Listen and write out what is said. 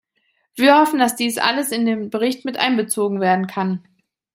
Wir hoffen, dass dies alles in den Bericht mit einbezogen werden kann.